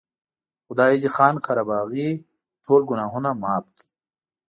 خدای دې خان قره باغي ټول ګناهونه معاف کړي.